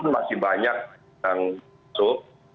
masih banyak yang masuk